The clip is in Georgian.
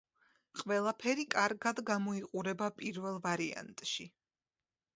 ყველაფერი კარგად გამოიყურება პირველ ვარიანტში.